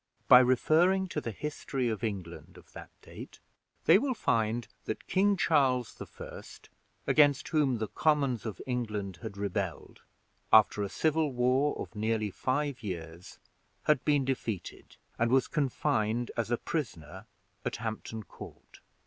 By referring to the history of England, of that date, they will find that King Charles the First, against whom the Commons of England had rebelled, after a civil war of nearly five years, had been defeated, and was confined as a prisoner at Hampton Court.